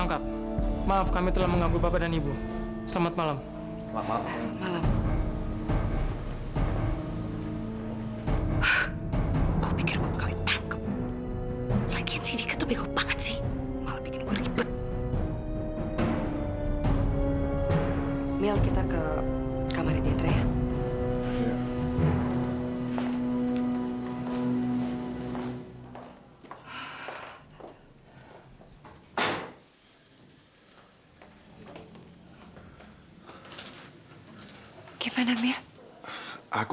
sampai jumpa di video selanjutnya